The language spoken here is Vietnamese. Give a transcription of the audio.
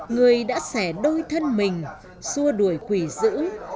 người đã xẻ đôi thân mình xua đuổi quỷ dữ